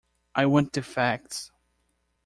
I want the facts.